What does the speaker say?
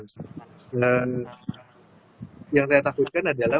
nah yang saya takutkan adalah